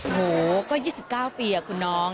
โอ้โฮก็๒๙ปีคุณน้อง